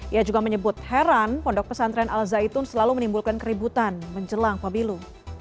ia juga menyebut heran pondok pesantren al zaitun selalu menimbulkan keributan menjelang pemilu